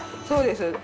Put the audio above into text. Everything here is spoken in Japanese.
そうです